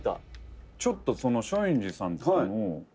「ちょっとその松陰寺さんの時も」